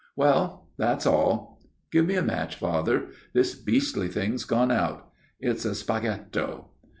" Well, that's all. Give me a match, Father. This beastly thing's gone out. It's a spaghetto."